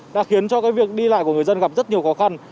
đã khiến cho việc đi lại của người dân gặp rất nhiều khó khăn